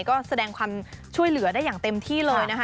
ก็แสดงความช่วยเหลือได้อย่างเต็มที่เลยนะคะ